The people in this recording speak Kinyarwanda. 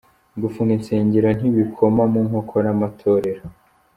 Gufunga insengero ntibikoma mu nkokora Amatorero.